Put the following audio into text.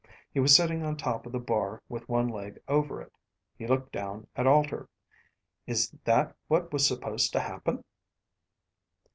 He was sitting on top of the bar with one leg over it. He looked down at Alter. "Is that what was supposed to happen?"